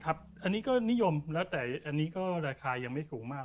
อันนี้ก็นิยมแล้วแต่อันนี้ก็ราคายังไม่สูงมาก